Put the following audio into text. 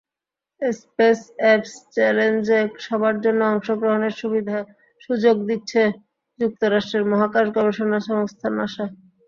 Space apps চ্যালেঞ্জে সবার জন্য অংশগ্রহণের সুযোগ দিচ্ছে যুক্তরাষ্ট্রের মহাকাশ গবেষণা সংস্থা নাসা।